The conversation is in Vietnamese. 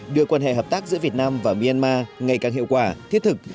đưa quan hệ hợp tác giữa việt nam và myanmar ngày càng hiệu quả thiết thực